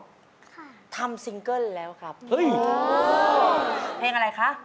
ค่ะทำซิงเกิ้ลแล้วครับเฮ้ยเพลงอะไรคะ